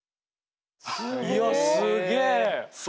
いやすげえ。